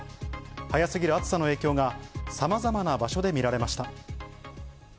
早すぎる暑さの影響が、さまざまな場所で見られました。